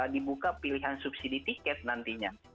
dibuka pilihan subsidi tiket nantinya